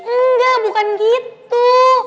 engga bukan gitu